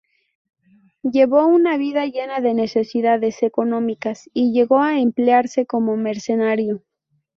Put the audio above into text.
Llevó una vida llena de necesidades económicas, y llegó a emplearse como mercenario.